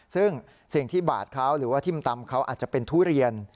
ซึ่งสิ่งที่บาดเขาหรือว่าทิ่มตำเขาอาจจะเป็นทุเรียน